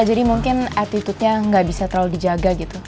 jadi mungkin attitude nya nggak bisa terlalu dijaga gitu